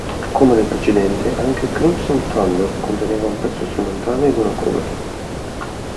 Come nel precedente, anche "Crimson Thunder" conteneva un pezzo strumentale ed una cover.